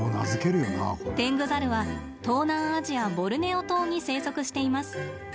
テングザルは、東南アジアボルネオ島に生息しています。